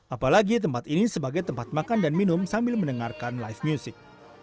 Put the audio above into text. apalagi tempat ini sebagai tempat makan dan minum sambil mendengarkan live music